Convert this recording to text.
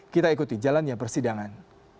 kita ikuti jalannya persidangan